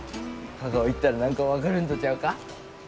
香川行ったら何か分かるんとちゃうか？